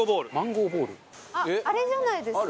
奈緒：あれじゃないですか？